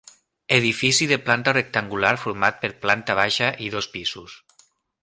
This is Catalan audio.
Edifici de planta rectangular format per planta baixa i dos pisos.